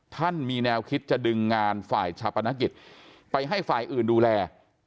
ท่านมีแนวคิดจะดึงงานฝ่ายชาปนกิจไปให้ฝ่ายอื่นดูแล